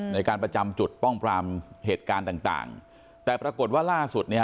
ในการประจำจุดป้องปรามเหตุการณ์ต่างต่างแต่ปรากฏว่าล่าสุดเนี่ยฮ